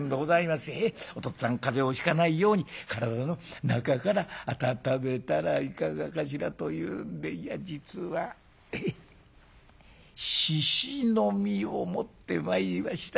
『お父っつぁん風邪をひかないように体の中から温めたらいかがかしら』と言うんでいや実は猪の身を持ってまいりました。